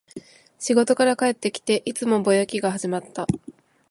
仕事から帰ってきて、いつものぼやきが始まった